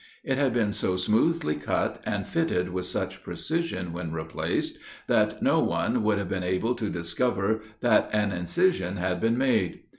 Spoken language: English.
It had been so smoothly cut, and fitted with such precision when replaced, that no one would have been able to discover that an incision had been made.